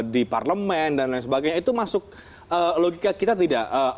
di parlemen dan lain sebagainya itu masuk logika kita tidak